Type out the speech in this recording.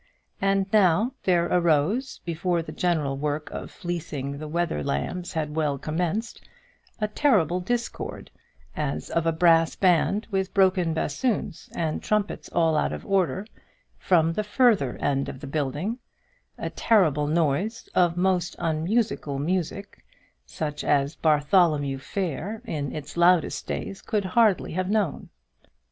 And now there arose, before the general work of fleecing the wether lambs had well commenced, a terrible discord, as of a brass band with broken bassoons, and trumpets all out of order, from the further end of the building, a terrible noise of most unmusical music, such as Bartholomew Fair in its loudest days could hardly have known.